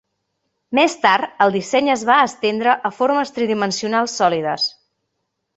Més tard, el disseny es va estendre a formes tridimensionals sòlides.